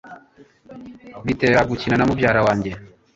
Bitera gukina na mubyara wanjye